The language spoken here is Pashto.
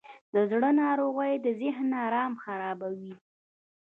د زړه ناروغۍ د ذهن آرام خرابوي.